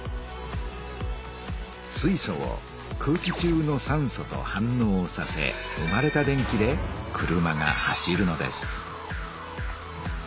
水素を空気中の酸素と反のうさせ生まれた電気で車が走るのです。